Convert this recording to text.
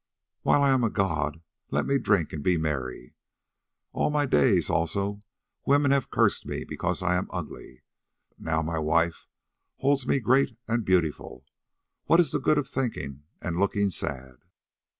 While I am a god, let me drink and be merry. All my days also women have cursed me because I am ugly, but now my wife holds me great and beautiful. What is the good of thinking and looking sad?